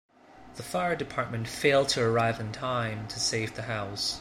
The fire department failed to arrive in time to save the house.